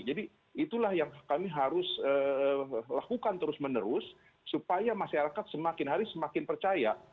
jadi itulah yang kami harus lakukan terus menerus supaya masyarakat semakin hari semakin percaya